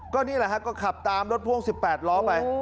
ก็นี่แหละฮะก็ขับตามรถพ่วง๑๘ล้อไป